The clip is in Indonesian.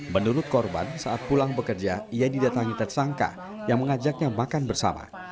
menurut korban saat pulang bekerja ia didatangi tersangka yang mengajaknya makan bersama